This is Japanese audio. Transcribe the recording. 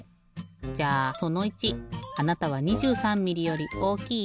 じゃあその１あなたは２３ミリより大きい？